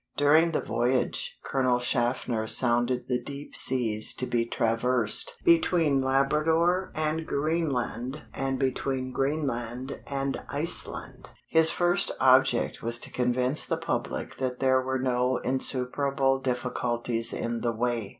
During the voyage, Colonel Shaffner sounded the deep seas to be traversed between Labrador and Greenland and between Greenland and Iceland. His first object was to convince the public that there were no insuperable difficulties in the way.